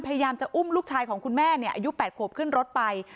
พยายามจะอุ้มลูกชายของคุณแม่อายุ๘ขวบขึ้นรถไป